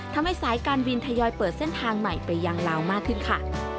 ทำให้สายการบินทยอยเปิดเส้นทางใหม่ไปยังลาวมากขึ้นค่ะ